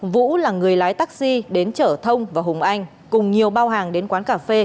vũ là người lái taxi đến chở thông và hùng anh cùng nhiều bao hàng đến quán cà phê